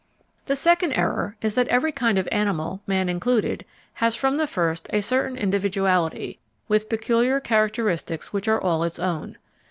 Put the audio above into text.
The second error is that every kind of animal, man included, has from the first a certain individuality, with peculiar characteristics which are all its own.